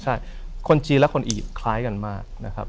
ใช่คนจีนและคนอีคล้ายกันมากนะครับ